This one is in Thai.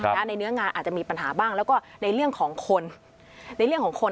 ในเนื้องานอาจจะมีปัญหาบ้างแล้วก็ในเรื่องของคนในเรื่องของคน